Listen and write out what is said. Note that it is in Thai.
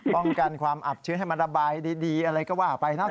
ป้องกันความอับชื้นให้มันระบายดีอะไรก็ว่าไปนะ